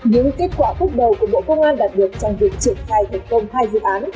những kết quả bước đầu của bộ công an đạt được trong việc triển khai thành công hai dự án